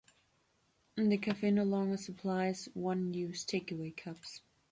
The cafe no longer supplies one-use takeaway cups.